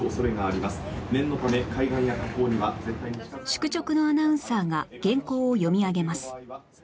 宿直のアナウンサーが原稿を読み上げます